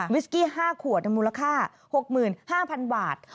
วิสกี้๕ขวดมูลค่า๖๕๐๐๐บาท